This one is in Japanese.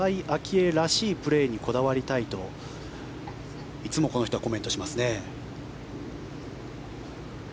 愛らしいプレーにこだわりたいといつもこの人はコメントします。